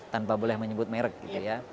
tanpa boleh menyebut merek gitu ya